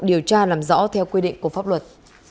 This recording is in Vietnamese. điều tra làm rõ theo quy định của pháp luật